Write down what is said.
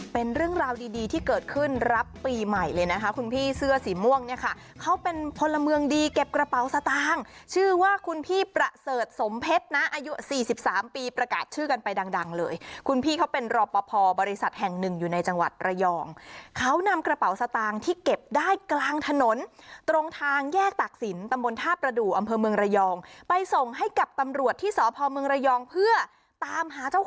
เป็นเรื่องราวดีที่เกิดขึ้นรับปีใหม่เลยนะคะคุณพี่เสื้อสีม่วงเนี่ยค่ะเขาเป็นพลเมืองดีเก็บกระเป๋าสตางค์ชื่อว่าคุณพี่ประเสริฐสมเพชรนะอายุ๔๓ปีประกาศชื่อกันไปดังเลยคุณพี่เขาเป็นรปพบริษัทแห่งหนึ่งอยู่ในจังหวัดระยองเขานำกระเป๋าสตางค์ที่เก็บได้กลางถนนตรงทางแยกตักศิลป์ตำบลทา